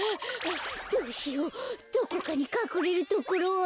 どうしようどこかにかくれるところは。